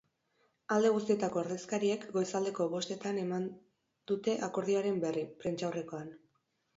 Alde guztietako ordezkariek goizaldeko bostetan eman dute akordioaren berri, prentsaurrekoan.